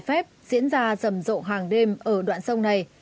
phép diễn ra rầm rộ hàng đêm ở đoạn sông này